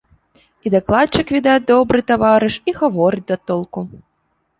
І дакладчык, відаць, добры таварыш, і гаворыць да толку.